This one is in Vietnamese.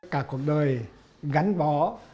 cả cuộc đời gắn vó